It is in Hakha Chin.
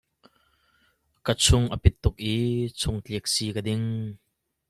Ka chung a pit tuk i chungtlik si ka ding.